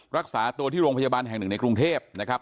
รักษาตัวที่โรงพยาบาลแห่งหนึ่งในกรุงเทพนะครับ